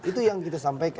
itu yang kita sampaikan